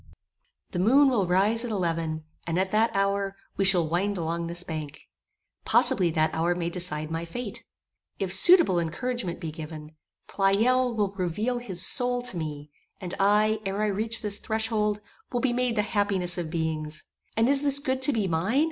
The moon will rise at eleven, and at that hour, we shall wind along this bank. Possibly that hour may decide my fate. If suitable encouragement be given, Pleyel will reveal his soul to me; and I, ere I reach this threshold, will be made the happiest of beings. And is this good to be mine?